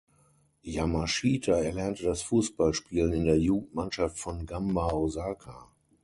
Yamashita erlernte das Fußballspielen in der Jugendmannschaft von Gamba Osaka.